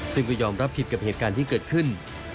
ซึ่งก็ยอมรับผิดกับเหตุการณ์ที่เกิดขึ้น